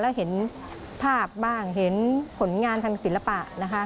แล้วเห็นภาพบ้างเห็นผลงานทางศิลปะนะคะ